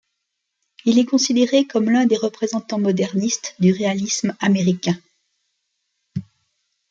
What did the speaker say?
Il est considéré comme l'un des représentants modernistes du réalisme américain.